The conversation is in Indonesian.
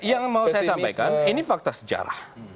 yang mau saya sampaikan ini fakta sejarah